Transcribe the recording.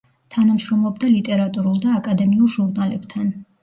თანამშრომლობდა ლიტერატურულ და აკადემიურ ჟურნალებთან.